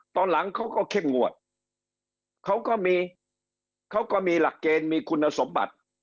ตอนหลังเขาก็เข้มงวดเขาก็มีเขาก็มีหลักเกณฑ์มีคุณสมบัติ